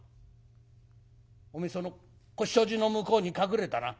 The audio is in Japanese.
おめえその障子の向こうに隠れたな？